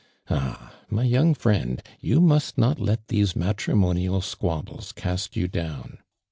Ah, my young friend, you must not let these matrimonial squabbles cast you down.